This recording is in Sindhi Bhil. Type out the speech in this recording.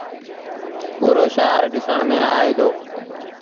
پورو شآهر ڏسڻ ميݩ آئي دو۔